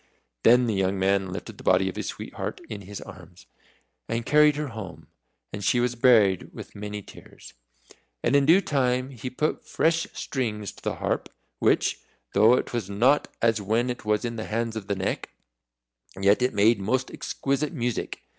Then the young man lifted the body of his sweetheart in his arms, and carried her home, and she was buried with many tears. And in due time he put fresh strings to the harp, which, though it was not as when it was in the hands of the Neck, yet it made most exquisite music.